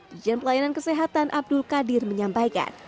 di jendela pelayanan kesehatan abdul qadir menyampaikan